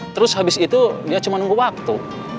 terus habis itu dia cuma nunggu waktu